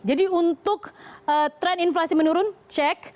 jadi untuk tren inflasi menurun cek